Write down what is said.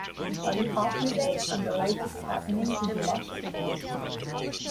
Are you up-to-date on the latest happenings in Washington?